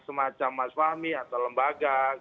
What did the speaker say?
semacam mas fahmi atau lembaga